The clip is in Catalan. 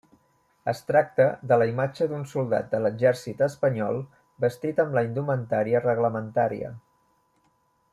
Es tracta de la imatge d'un soldat de l'exèrcit espanyol vestit amb la indumentària reglamentària.